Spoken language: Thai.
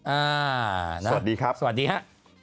สวัสดีครับสวัสดีฮะ